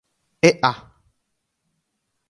¡E'a!